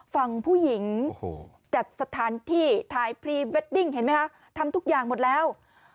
ฝั่งผู้หญิงจัดสถานที่ถ่ายพรีเวดดิ้งเห็นไหมคะทำทุกอย่างหมดแล้ว